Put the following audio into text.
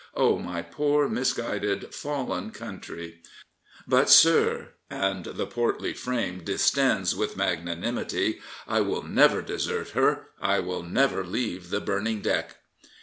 Oh, my poor, misguided, fallen country I But, sir — ^and the portly frame distends with magnanimity — I will never desert her. I will never leave the burning deck.